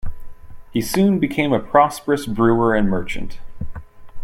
He soon became a prosperous brewer and merchant.